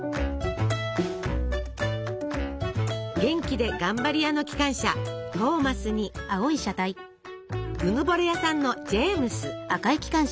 元気で頑張り屋の機関車「トーマス」にうぬぼれ屋さんの「ジェームス」。